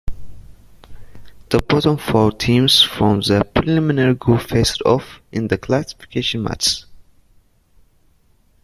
The bottom four teams from the preliminary group faced off in the classification matches.